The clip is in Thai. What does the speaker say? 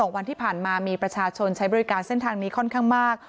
วันที่ผ่านมามีประชาชนใช้บริการเส้นทางนี้ค่อนข้างมาก